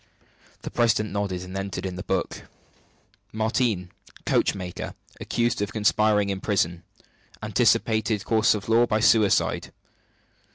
The president nodded, and entered in the book: "Martigne, coachmaker. Accused of conspiring in prison. Anticipated course of law by suicide.